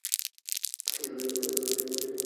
এগুলো তোমাদের রুমের জন্য।